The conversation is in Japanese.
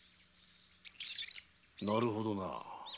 なるほどな。